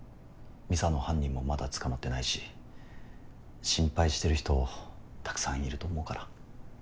美沙の犯人もまだ捕まってないし心配してる人たくさんいると思うから。